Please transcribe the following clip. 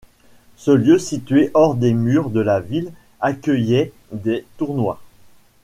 Ce lieu situé hors des murs de la ville accueillait des tournois.